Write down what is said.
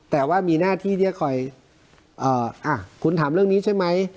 แต่ว่ามีหน้าที่ที่จะคอยคุณถามเรื่องนี้ใช่ไหม